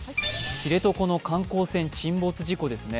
知床の観光船沈没事故ですね。